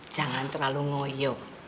jangan terlalu ngoyok